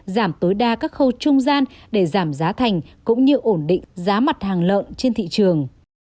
giảm tối đa các khâu trung gian để giảm giá thành cũng như ổn định giá mặt hàng lợn trên thị trường